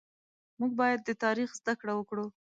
مونږ بايد د تاريخ زده کړه وکړو